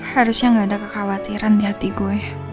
harusnya gak ada kekhawatiran di hati gue